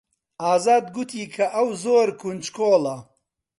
ئازاد گوتی کە ئەو زۆر کونجکۆڵە.